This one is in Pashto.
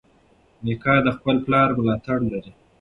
میکا د خپل پلار ملاتړ لري.